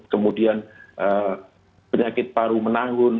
kemudian penyakit paru menanggun